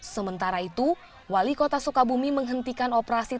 sementara itu wali kota sukabumi menghentikan operasi